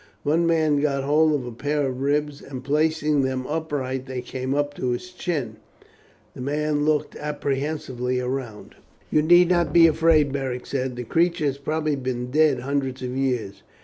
One man got hold of a pair of ribs, and placing them upright they came up to his chin. The men looked apprehensively round. "You need not be afraid," Beric said. "The creature has probably been dead hundreds of years.